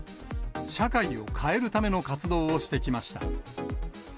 社会を変えるための活動をしてきました。